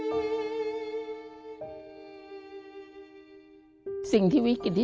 ทำงานชื่อนางหยาดฝนภูมิสุขอายุ๕๔ปี